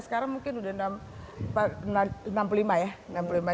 sekarang mungkin sudah enam puluh lima ya